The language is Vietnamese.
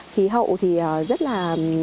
khí hậu thì rất là